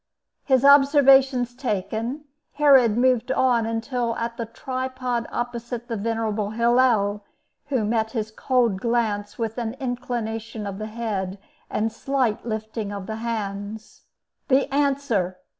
His observations taken, Herod moved on until at the tripod opposite the venerable Hillel, who met his cold glance with an inclination of the head, and a slight lifting of the hands. "The answer!"